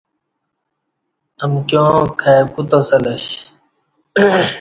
امکیاں کائی کوتا سلش